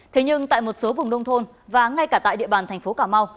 thế nhưng tại một số vùng nông thôn và ngay cả tại địa bàn thành phố cà mau